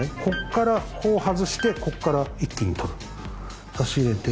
こっからこう外してこっから一気に取る。